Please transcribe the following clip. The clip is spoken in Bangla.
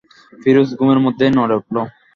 ফিরোজ ঘুমের মধ্যেই নড়ে উঠল।